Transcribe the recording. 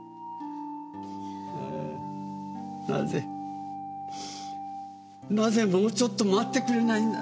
なぜなぜもうちょっと待ってくれないんだ。